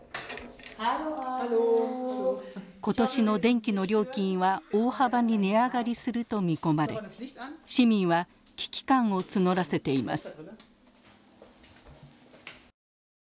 今年の電気の料金は大幅に値上がりすると見込まれ市民は危機感を募らせています。